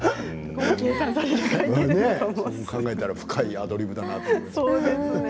考えたら深いアドリブだな。